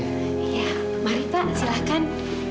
iya mari pak silahkan